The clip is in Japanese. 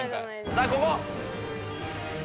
さあここ！